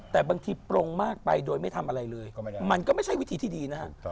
แต่บางทีปรงมากไปโดยไม่ทำอะไรเลยมันก็ไม่ใช่วิธีที่ดีนะฮะ